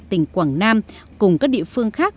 tỉnh quảng nam cùng các địa phương khác